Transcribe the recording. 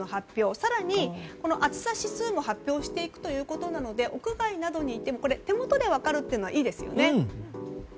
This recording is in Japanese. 更に、暑さ指数も発表していくということなので屋外などにいても、手元で分かるというのはいいですよね。